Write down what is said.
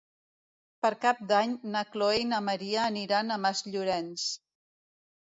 Per Cap d'Any na Chloé i na Maria aniran a Masllorenç.